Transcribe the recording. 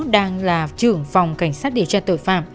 đang là trưởng phòng cảnh sát điều tra tội phạm